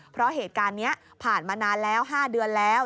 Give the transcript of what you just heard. เพราะเหตุการณ์นี้ผ่านมานานแล้ว๕เดือนแล้ว